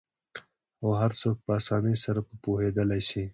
او هرڅوک په آسانۍ سره په پوهیدالی سي